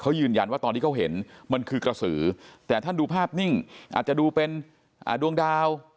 เขายืนยันว่าตอนที่เขาเห็นมันคือกระสือแต่ท่านดูภาพนิ่งอาจจะดูเป็นดวงดาว